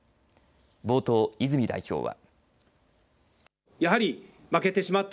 冒頭、泉代表は。